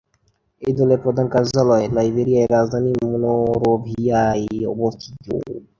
এই দলের প্রধান কার্যালয় লাইবেরিয়ার রাজধানী মনরোভিয়ায় অবস্থিত।